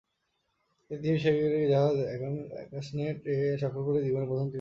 তিনি তিমিশিকারী জাহাজ অ্যাকাশনেট-এ সাক্ষর করে জীবনে প্রথম তিমি শিকারে যান।